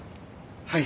はい。